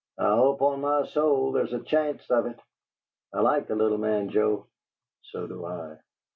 "I hope on my soul there's a chanst of it! I like the little man, Joe." "So do I."